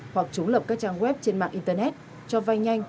hoặc chúng lập các trang web trên mạng internet cho vay nhanh